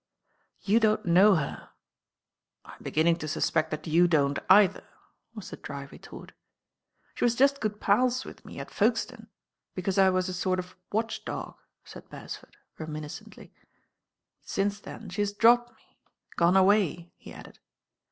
You don't know her." "I'm beginning to suspect that you don't either." was the dry retort. "She was just good pals with me at Folkestone, because I was a sort of watch^log," said Beresford reminiscendy "Since then she has dropped m^ gone away," he added.